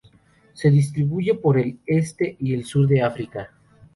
Se distribuyen por el este y el sur de África.